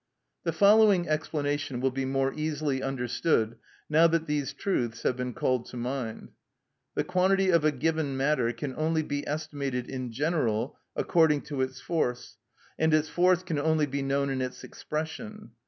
The following explanation will be more easily understood now that these truths have been called to mind. The quantity of a given matter can only be estimated in general according to its force, and its force can only be known in its expression.